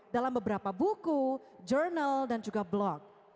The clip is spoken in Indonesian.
dalam beberapa buku jurnal dan juga blog